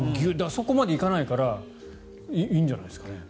そこまでいかないからいいんじゃないですかね。